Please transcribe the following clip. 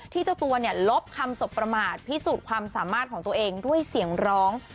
เจ้าตัวเนี่ยลบคำสบประมาทพิสูจน์ความสามารถของตัวเองด้วยเสียงร้อง